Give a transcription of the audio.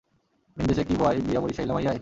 ভিনদেশে কি বয় বিয়া বরিশাইল্লা মাইয়ায়?